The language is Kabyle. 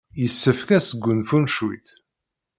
Yessefk ad sgunfunt cwiṭ.